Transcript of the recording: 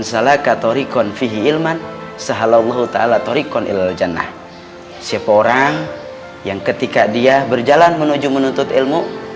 siapa orang yang ketika dia berjalan menuju menuntut ilmu